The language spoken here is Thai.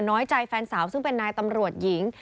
น้อยใจแฟนสาวซึ่งเป็นนายตำรวจหญิง